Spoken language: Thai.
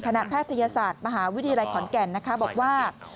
แพทยศาสตร์มหาวิทยาลัยขอนแก่นนะคะบอกว่า